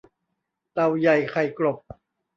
เต่าใหญ่ไข่กลบ